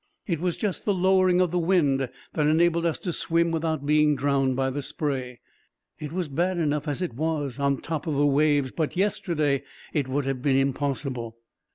It was just the lowering of the wind that enabled us to swim without being drowned by the spray. It was bad enough, as it was, on the top of the waves; but, yesterday, it would have been impossible."